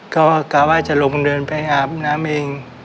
ก็กะว่าจะลงเดินไปอาบน้ำเอง